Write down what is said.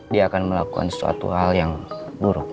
dia akan melakukan sesuatu hal yang buruk